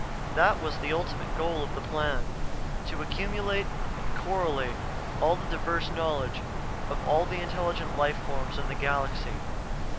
That was the ultimate goal of the Plan: to accumulate and correlate all the diverse knowledge of all the intelligent life forms in the galaxy.